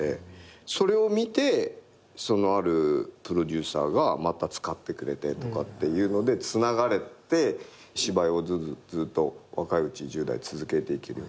それを見てあるプロデューサーがまた使ってくれてとかってのでつながれて芝居をずっと若いうち１０代続けていけるようになって。